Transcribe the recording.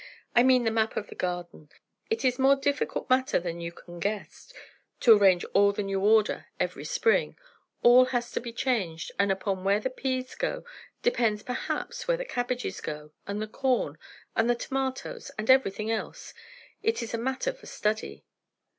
"I mean, the map of the garden. It is a more difficult matter than you can guess, to arrange all the new order every spring; all has to be changed; and upon where the peas go depends, perhaps, where the cabbages go, and the corn, and the tomatoes, and everything else. It is a matter for study."